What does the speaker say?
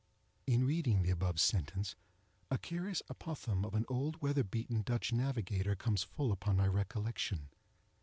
In reading the above sentence a curious apothegm of an old weather beaten Dutch navigator comes full upon my recollection.